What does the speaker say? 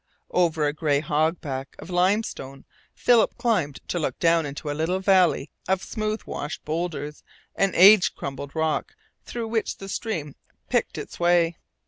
Over a gray hog back of limestone Philip climbed to look down into a little valley of smooth washed boulders and age crumbled rock through which the stream picked its way.